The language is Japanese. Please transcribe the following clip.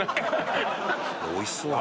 おいしそう。